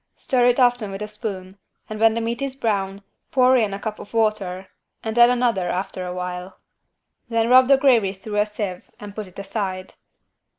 Stir it often with a spoon and when the meat is brown pour in a cup of water and then another after a while. Then rub the gravy through a sieve and put it aside.